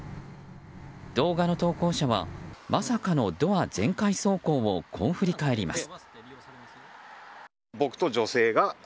動画の投稿者はまさかのドア全開走行をこう振り返ります。